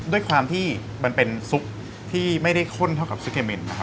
ด้วยความที่มันเป็นซุปที่ไม่ได้ข้นเท่ากับซุเคมินนะครับ